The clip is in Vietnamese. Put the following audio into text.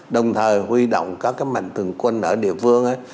đồng thời huy động các cái mạnh thường quân ở địa phương ấy